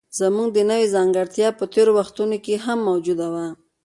زموږ د نوعې ځانګړتیا په تېرو وختونو کې هم موجوده وه.